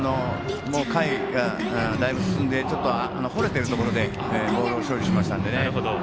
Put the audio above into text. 回だいぶ進んで掘れているところでボールを処理しましたので。